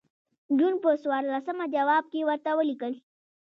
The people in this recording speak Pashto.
جون پر څوارلسمه جواب کې ورته ولیکل.